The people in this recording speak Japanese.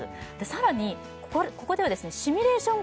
さらにここではですねシミュレーション